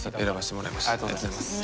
ありがとうございます。